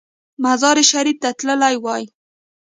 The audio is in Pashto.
مزار شریف ته تللی وای.